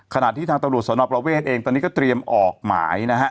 ขณะที่ทางตำรวจสนประเวทเองตอนนี้ก็เตรียมออกหมายนะฮะ